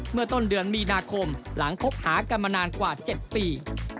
เมื่อต้นเดือนมีนาคมหลังคบหากันมานานกว่า๗ปี